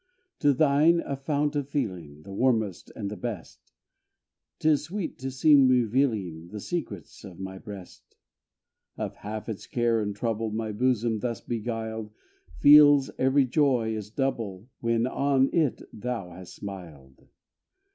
To thine, a fount of feeling The warmest and the best, 'T is sweet to seem revealing The secrets of my breast. Of half its care and trouble, My bosom, thus beguiled, Feels every joy is double, When on it thou hast smiled.